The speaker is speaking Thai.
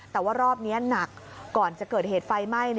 แต่ว่ารอบนี้หนักก่อนจะเกิดเหตุไฟไหม้